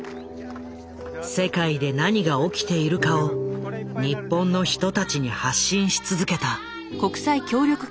世界で何が起きているかを日本の人たちに発信し続けた。